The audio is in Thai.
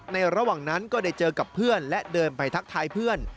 ระหว่างนั้นก็ได้เจอกับเพื่อนและเดินไปทักทายเพื่อน